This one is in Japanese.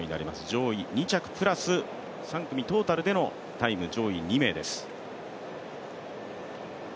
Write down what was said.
上位２着プラス３組トータルでのタイム上位２名です。